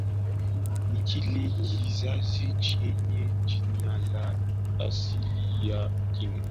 Ni kile kizazi chenye jina la asili ya Qing